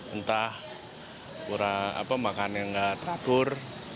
entah makannya gak teratur